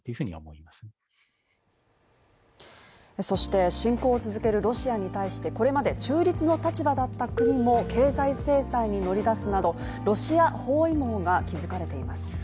そして侵攻を続けるロシアに対してこれまで中立の立場だった国も経済制裁に乗り出すなど、ロシア包囲網が築かれています。